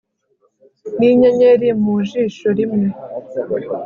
ninyenyeri mu jisho rimwe